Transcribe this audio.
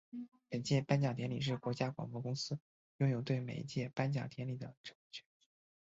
本届颁奖典礼是国家广播公司拥有对每一届颁奖典礼的直播权。